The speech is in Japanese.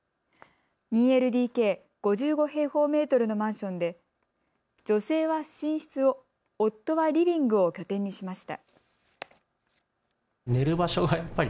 ２ＬＤＫ、５５平方メートルのマンションで女性は寝室を、夫はリビングを拠点にしました。